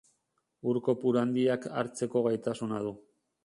Ur kopuru handiak hartzeko gaitasuna du.